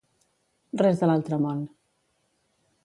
Res de l'altre món.